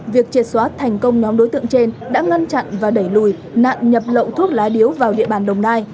việc triệt xóa thành công nhóm đối tượng trên đã ngăn chặn và đẩy lùi nạn nhập lậu thuốc lá điếu vào địa bàn đồng nai